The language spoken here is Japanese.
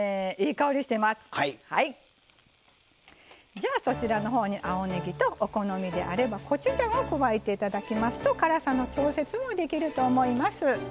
じゃあそちらの方に青ねぎとお好みであればコチュジャンを加えて頂きますと辛さの調節もできると思います。